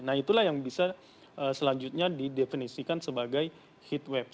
nah itulah yang bisa selanjutnya didefinisikan sebagai heat web